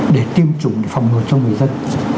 để tiêm chủng để phòng ngồi cho người dân